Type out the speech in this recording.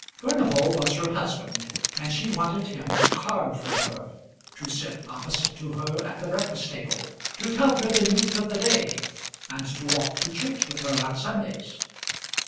Furnival was her husband, and she wanted him to carve for her, to sit opposite to her at the breakfast table, to tell her the news of the day, and to walk to church with her on Sundays.